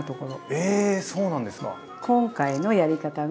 えそうなんですか。